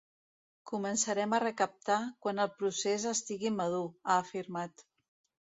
Començarem a recaptar quan el procés estigui madur, ha afirmat.